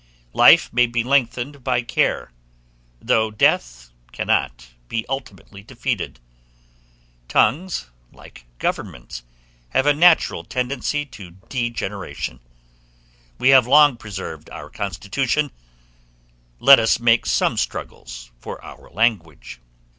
Life may be lengthened by care, though death cannot be ultimately defeated: tongues, like governments, have a natural tendency to degeneration; we have long preserved our constitution, let us make some struggles for our language.